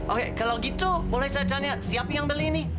oke kalau gitu boleh saya tanya siapa yang beli ini